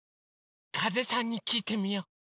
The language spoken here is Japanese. かぜさんにきいてみよう！